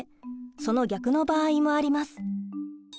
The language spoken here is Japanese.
その逆の場合もあります。